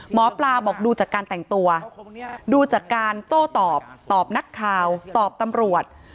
หมอปลาบอกดูจากการแต่งตัวดูจากการโต้ตอบตอบนักข่าวตอบตำรวจ